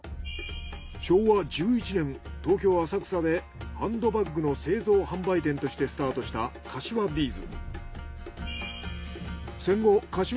昭和１１年東京浅草でハンドバッグの製造・販売店としてスタートした柏ビーズ。